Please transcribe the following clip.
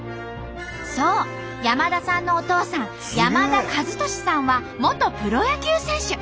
そう山田さんのお父さん山田和利さんは元プロ野球選手。